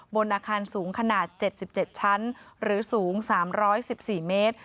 บนอาคารสูงขนาด๗๗ชั้นหรือสูง๓๑๔เมตร